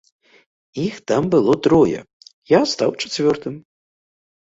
Іх там было трое, я стаў чацвёртым.